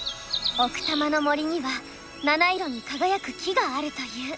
奥多摩の森には七色に輝く木があるという。